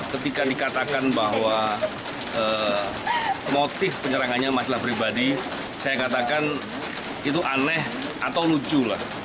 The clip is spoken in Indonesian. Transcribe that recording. ketika dikatakan bahwa motif penyerangannya masalah pribadi saya katakan itu aneh atau lucu lah